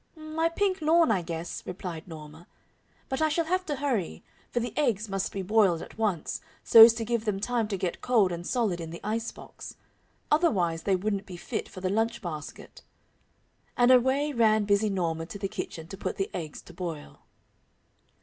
"My pink lawn, I guess," replied Norma. "But I shall have to hurry, for the eggs must be boiled at once, so as to give them time to get cold and solid in the ice box. Otherwise, they wouldn't be fit for the lunch basket." And away ran busy Norma to the kitchen to put the eggs to boil.